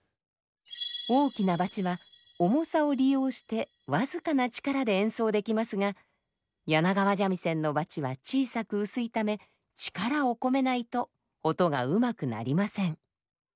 大きなバチは重さを利用して僅かな力で演奏できますが柳川三味線のバチは小さく薄いため力を込めないと音がうまく鳴りません。